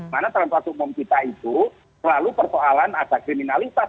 karena transformasi umum kita itu selalu persoalan ada kriminalitas